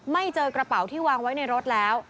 เจอกระเป๋าที่วางไว้ในรถแล้ว